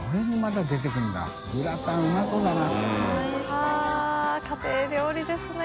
はぁ家庭料理ですね。